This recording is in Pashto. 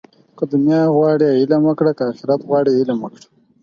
که دنیا غواړې، علم وکړه. که آخرت غواړې علم وکړه